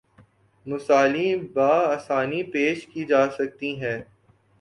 مثالیں باآسانی پیش کی جا سکتی ہیں